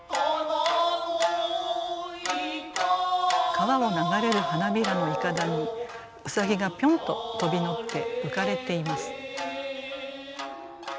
川を流れる花びらのいかだに兎がぴょんと飛び乗って浮かれています。